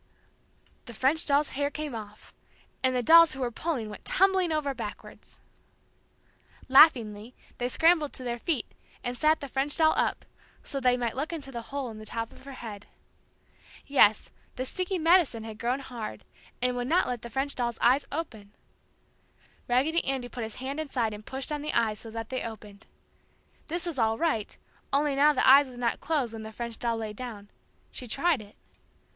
the French doll's hair came off, and the dolls who were pulling went tumbling over backwards. [Illustration: Shaking the French doll upside down] [Illustration: Hole in her head] Laughingly they scrambled to their feet and sat the French doll up, so they might look into the hole in the top of her head. Yes, the sticky "medicine" had grown hard and would not let the French doll's eyes open. Raggedy Andy put his hand inside and pushed on the eyes so that they opened. This was all right, only now the eyes would not close when the French doll lay down. She tried it.